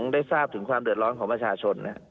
ได้ทราบถึงความเดือดร้อนของประชาชน